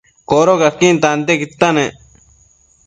Codocaquin tantiaquidta nec